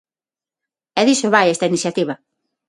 E diso vai esta iniciativa.